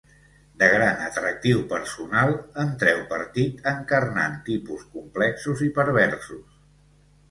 De gran atractiu personal, en treu partit encarnant tipus complexos i perversos.